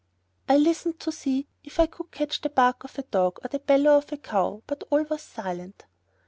I listened to see if I could catch the bark of a dog, or the bellow of a cow, but all was silent.